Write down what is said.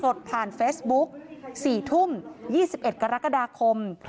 สดผ่านเฟซบุ๊ก๔ทุ่ม๒๑กรกฎาคม